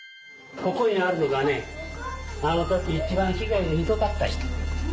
ここにあるのがねあの時一番被害がひどかった人。